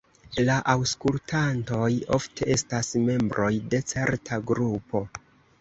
La aŭskultantoj ofte estas membroj de certa grupo.